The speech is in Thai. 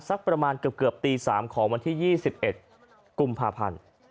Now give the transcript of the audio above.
สักประมาณเกือบตี๓ของวันที่๒๑กุมภาพันธ์